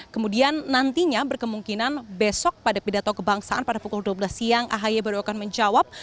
kemudian nantinya berkemungkinan besok pada pidato kebangsaan pada pukul dua belas siang ahy baru akan menjawab